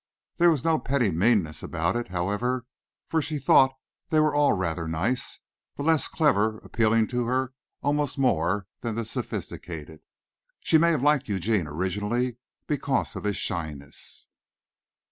There was no petty meanness about it, however, for she thought they were all rather nice, the less clever appealing to her almost more than the sophisticated. She may have liked Eugene originally because of his shyness.